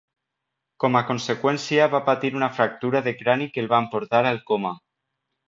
Com a conseqüència va patir una fractura de crani que el van portar al coma.